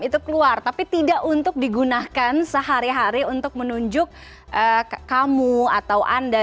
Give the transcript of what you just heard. itu keluar tapi tidak untuk digunakan sehari hari untuk menunjuk kamu atau anda